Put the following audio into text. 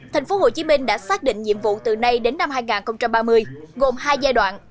tp hcm đã xác định nhiệm vụ từ nay đến năm hai nghìn ba mươi gồm hai giai đoạn